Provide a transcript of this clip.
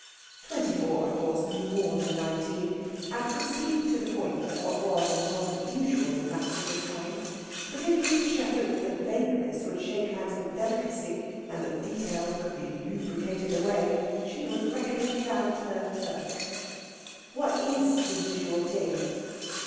Twenty four, of course, knew more than nineteen, and could speak to the point of what was and wasn't usual in matters of this kind. But if Lætitia hoped that vagueness would shake hands with delicacy and that details could be lubricated away, she was reckoning without her Turk. "What is the usual thing?"